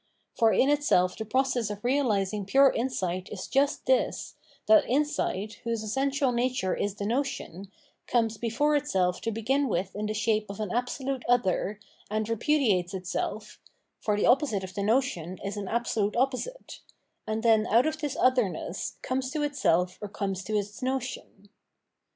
For in itself the process of realising pure iosight is just this, that insight, whose essential nature is the notion, comes before itself to begin with in the shape of an abso lute other, and repudiates itself (for the opposite of the notion is an absolute opposite), and then out of this otherness comes to itself or comes to its notion.